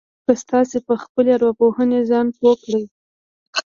که تاسې په خپلې ارواپوهنې ځان پوه کړئ.